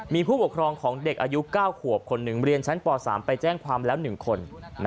มีผู้ปกครองของเด็กอายุ๙ขวบคนหนึ่งเรียนชั้นป๓ไปแจ้งความแล้ว๑คน